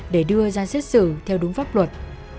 để đưa ra xét xử theo đúng pháp luật